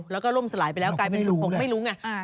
แล้วก็ล่มสลายไปแล้วกลายเป็นลูกคงไม่รู้ไง